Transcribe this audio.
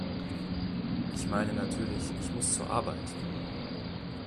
Ich meine natürlich, ich muss zur Arbeit!